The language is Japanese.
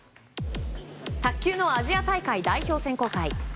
卓球のアジア大会代表選考会。